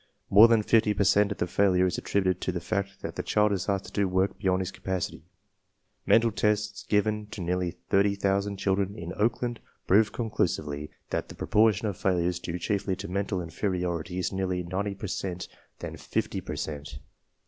More than 50 per cent of the failure is attributed to the fact that the child is asked to do work beyond his capacity. Mental tests given to nearly \ 30,000 children in Oakland prove^coricliislvely that the \ proportion of failures due chiefly to mental inferiority \ is nearer 90 percent than 50 per cent.